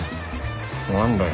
何だよ。